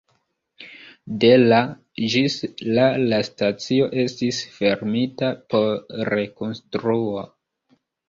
De la ĝis la la stacio estis fermita por rekonstruo.